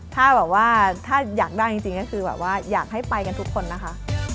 ถ้าอยากได้จริงก็คืออยากให้ไปกันทุกคนนะคะ